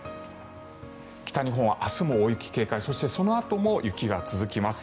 北日本は明日も大雪警戒そして、そのあとも大雪が続きます。